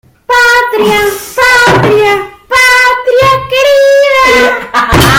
En su morada realizó una danza salvaje de dolor, en honor a ella.